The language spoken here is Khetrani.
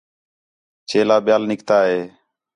چیلا ٻِیال نِکتا ہِے